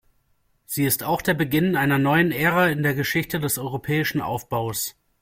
Sie ist auch der Beginn einer neuen Ära in der Geschichte des europäischen Aufbaus.